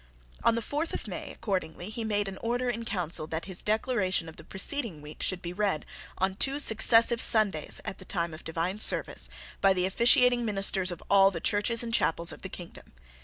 On the fourth of May, accordingly, he made an Order in Council that his Declaration of the preceding week should be read, on two successive Sundays at the time of divine service, by the officiating ministers of all the churches and chapels of the kingdom.